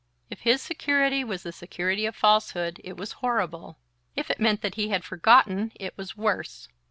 If his security was the security of falsehood it was horrible; if it meant that he had forgotten, it was worse.